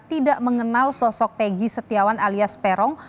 tidak mengenal sosok peggy setiawan alias perong